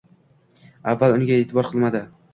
Avval unga e`tibor qilmadi